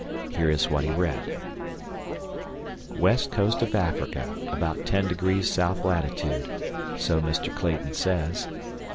Here is what he read: WEST COAST OF AFRICA, ABOUT 10° SOUTH LATITUDE. (So Mr. Clayton says.)